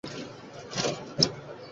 এই গাছ, দরজা, ঠিকানা, গেট।